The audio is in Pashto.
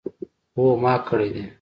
هو ما کړی دی